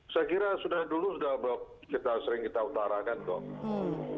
saya kira sudah dulu sudah sering kita utarakan kom